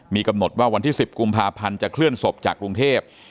มีกำหนดว่าวันที่๑๐กุมภาพันธ์จะเคลื่อนศพจากกรุงเทพ